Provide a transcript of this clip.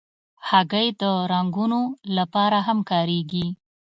هګۍ د رنګونو لپاره هم کارېږي.